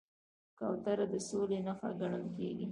کوتره د سولې نښه ګڼل کېږي.